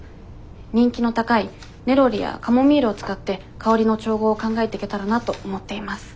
人気の高いネロリやカモミールを使って香りの調合を考えていけたらなと思っています。